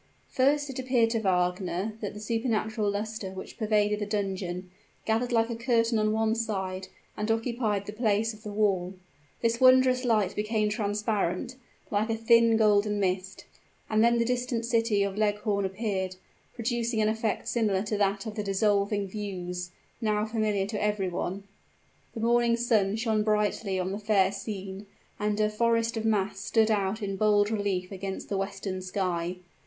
First, it appeared to Wagner that the supernatural luster which pervaded the dungeon, gathered like a curtain on one side and occupied the place of the wall. This wondrous light became transparent, like a thin golden mist; and then the distant city of Leghorn appeared producing an effect similar to that of the dissolving views now familiar to every one. The morning sun shone brightly on the fair scene; and a forest of masts stood out in bold relief against the western sky.